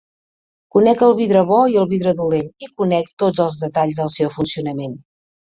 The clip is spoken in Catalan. Conec el vidre bo i el vidre dolent, i conec tots els detalls del seu funcionament.